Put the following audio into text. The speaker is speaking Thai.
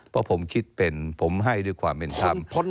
เพราะผมคิดเป็นผมให้ด้วยความเป็นธรรม